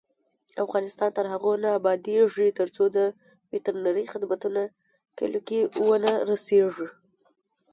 افغانستان تر هغو نه ابادیږي، ترڅو د وترنري خدمتونه کلیو ته ونه رسیږي.